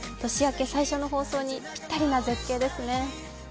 年明け最初の放送にぴったりな絶景ですね。